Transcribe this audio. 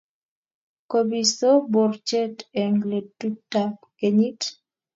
kobisto borchet eng' letutab kenyit.